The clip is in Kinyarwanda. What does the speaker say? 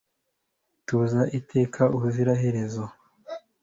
Tuza iteka ubuziraherezo